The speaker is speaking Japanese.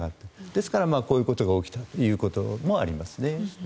ですからこういうことが起きたということもありますね。